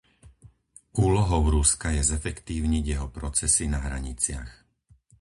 Úlohou Ruska je zefektívniť jeho procesy na hraniciach.